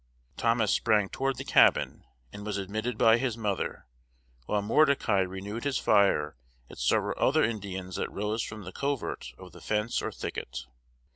Thomas sprang toward the cabin, and was admitted by his mother, while Mordecai renewed his fire at several other Indians that rose from the covert of the fence or thicket.